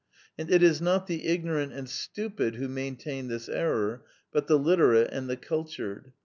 And it is not the ignorant and stupid who maintain this error, but the literate and the cultured.